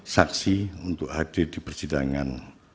saksi untuk hadir di persidangan